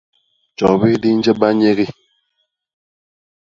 Tjobi di nje banyegi.